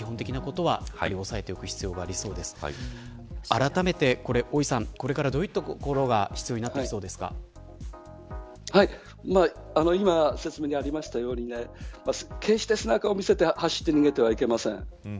あらためて大井さん、これからどういったことが必要で今、説明にありましたように決して背中を見せて走って逃げてはいけません。